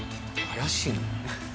怪しいね。